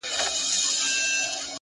هره ورځ د ښه کېدو بلنه ده